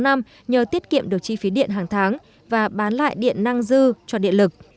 sáu năm nhờ tiết kiệm được chi phí điện hàng tháng và bán lại điện năng dư cho điện lực